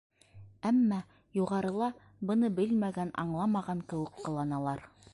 Әммә юғарыла быны белмәгән, аңламаған кеүек ҡыланалар.